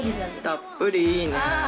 たっぷりいいね。